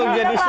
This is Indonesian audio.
untuk jadi chef